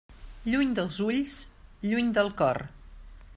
Lluny dels ulls, lluny del cor.